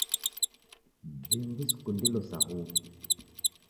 Jingi sikundilo sa huw'u.